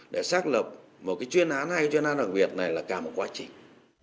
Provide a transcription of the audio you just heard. để xác lập hai chuyên án đặc biệt này là cả một quá trình